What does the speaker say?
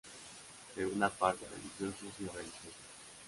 Segunda parte: Religiosos y Religiosas".